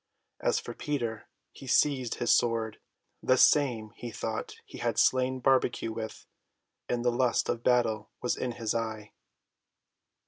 As for Peter, he seized his sword, the same he thought he had slain Barbecue with, and the lust of battle was in his eye.